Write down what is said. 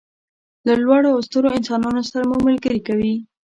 له لوړو او سترو انسانانو سره مو ملګري کوي.